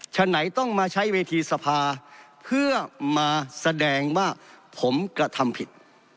ฉะไหนต้องมาใช้เวทีสภาเพื่อมาแสดงว่าผมกระทำผิด